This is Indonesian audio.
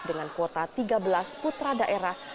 dengan kuota tiga belas putra daerah